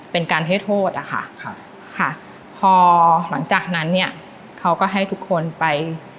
เป็นการให้โทษอะค่ะครับค่ะพอหลังจากนั้นเนี่ยเขาก็ให้ทุกคนไป